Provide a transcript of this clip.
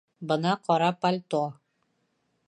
Бына ҡара пальто